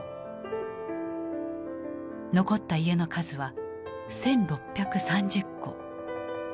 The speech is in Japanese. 残った家の数は１，６３０戸。